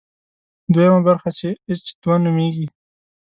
دویمه برخه چې اېچ دوه نومېږي.